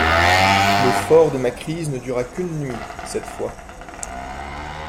Le fort de ma crise ne dura qu'une nuit, cette fois.